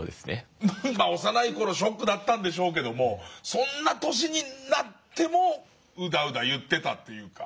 幼い頃ショックだったんでしょうけどもそんな年になってもウダウダ言ってたというか。